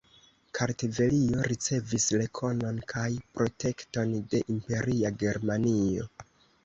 Kartvelio ricevis rekonon kaj protekton de Imperia Germanio.